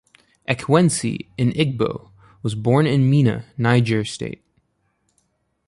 Ekwensi, an Igbo, was born in Minna, Niger State.